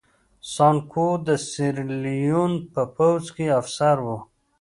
سانکو د سیریلیون په پوځ کې افسر و.